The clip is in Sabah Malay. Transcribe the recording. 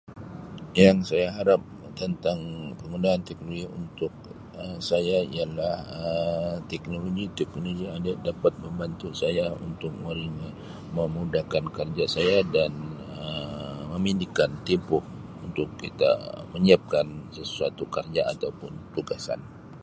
yang saya harap tentang penggunaan teknologi untuk Um saya ialah Um teknologi-teknologi [unintelligible] dapat membantu saya untuk memudahkan kerja saya dan Um memendekkan tempoh untuk kita menyiapkan sesuatu kerja ataupun tugasan.